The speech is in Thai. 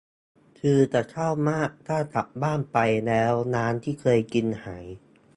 คือจะเศร้ามากถ้ากลับบ้านไป แล้วร้านที่เคยกินหาย